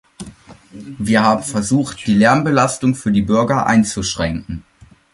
Wir haben versucht, die Lärmbelastung für die Bürger einzuschränken.